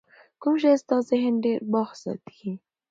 کوم شی ستا ذهن ډېر بوخت ساتي؟